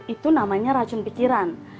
itu namanya racun pikiran